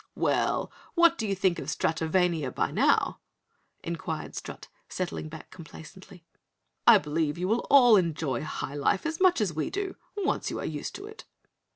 "Well, what do you think of Stratovania by now?" inquired Strut, settling back complacently. "I believe you will all enjoy high life as much as we do, once you are used to it."